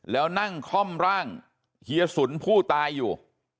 แล้วนั่งคล่อมร่างเฮียสุนผู้ตายอยู่